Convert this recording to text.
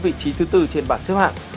vị trí thứ bốn trên bảng xếp hạng